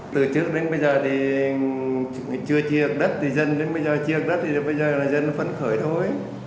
từ trước đến bây giờ thì chưa chia đất thì dân đến bây giờ chia đất thì bây giờ là dân phân khởi đối